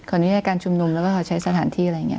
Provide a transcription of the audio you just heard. อนุญาตการชุมนุมแล้วก็ขอใช้สถานที่อะไรอย่างนี้